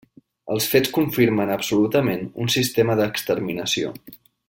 Els fets confirmen absolutament un sistema d'exterminació.